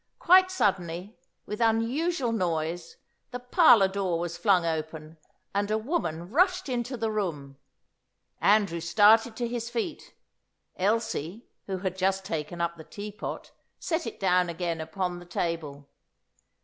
Quite suddenly, with unusual noise, the parlour door was flung open, and a woman rushed into the room. Andrew started to his feet. Elsie, who had just taken up the teapot, set it down again upon the table.